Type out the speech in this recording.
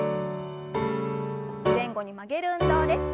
前後に曲げる運動です。